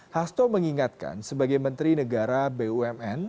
hasto mengingatkan sebagai menteri negara bumn